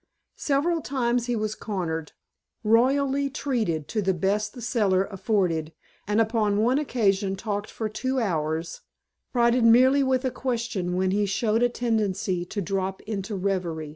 Several times he was cornered, royally treated to the best the cellar afforded, and upon one occasion talked for two hours, prodded merely with a question when he showed a tendency to drop into revery.